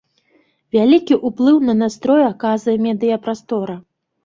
Вялікі ўплыў на настроі аказвае медыяпрастора.